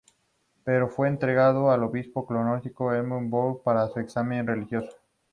Por unas horas dicho club se pasó a llamar Club Juventud Socialista.